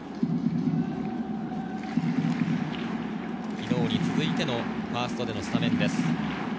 昨日に続いてのファーストでのスタメンです。